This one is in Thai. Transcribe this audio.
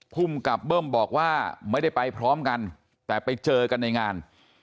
ภูมิกับเบิ้มบอกว่าไม่ได้ไปพร้อมกันแต่ไปเจอกันในงาน